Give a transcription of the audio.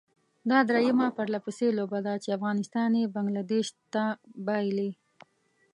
دا درېيمه پرلپسې لوبه ده چې افغانستان یې بنګله دېش ته بايلي.